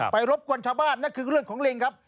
รบกวนชาวบ้านนั่นคือเรื่องของลิงครับ